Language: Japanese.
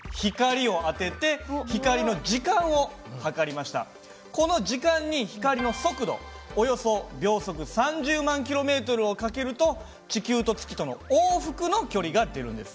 まずこの時間に光の速度およそ秒速３０万ｋｍをかけると地球と月との往復の距離が出るんです。